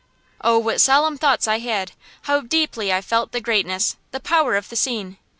Oh, what solemn thoughts I had! How deeply I felt the greatness, the power of the scene!